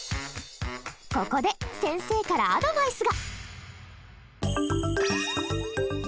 ここで先生からアドバイスが。